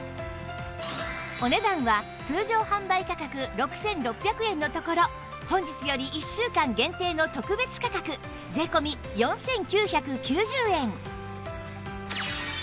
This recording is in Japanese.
お値段は通常販売価格６６００円のところ本日より１週間限定の特別価格税込４９９０円